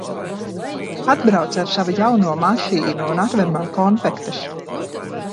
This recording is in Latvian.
Atbrauc ar savu jauno mašīnu un atved man konfektes.